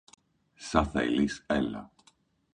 Σα θέλεις έλα